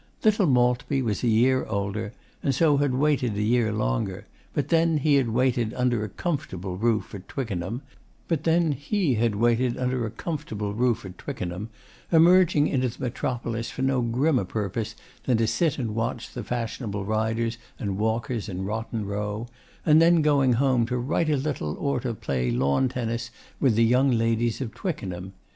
Little Maltby was a year older, and so had waited a year longer; but then, he had waited under a comfortable roof at Twickenham, emerging into the metropolis for no grimmer purpose than to sit and watch the fashionable riders and walkers in Rotten Row, and then going home to write a little, or to play lawn tennis with the young ladies of Twickenham.